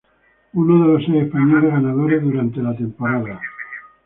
Uno de los seis españoles ganadores durante la temporada.